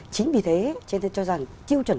chính vì thế tôi cho rằng tiêu chuẩn